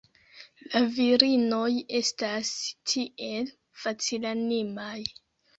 La virinoj estas tiel facilanimaj.